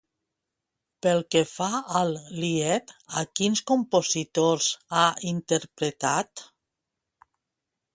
Pel que fa al lied, a quins compositors ha interpretat?